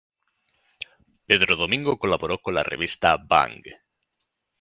Pedro Domingo colaboró con la revista Bang!